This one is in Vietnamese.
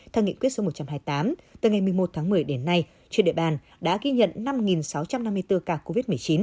theo nghị quyết số một trăm hai mươi tám từ ngày một mươi một tháng một mươi đến nay trên địa bàn đã ghi nhận năm sáu trăm năm mươi bốn ca covid một mươi chín